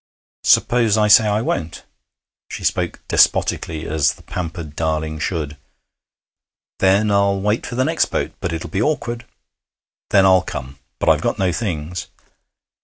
'Suppose I say I won't?' She spoke despotically, as the pampered darling should. 'Then I'll wait for the next boat. But it'll be awkward.' 'Then I'll come. But I've got no things.'